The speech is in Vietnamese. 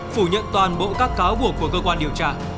phủ nhận toàn bộ các cáo buộc của cơ quan điều tra